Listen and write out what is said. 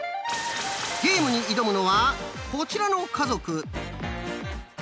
ゲームに挑むのはこちらの家族。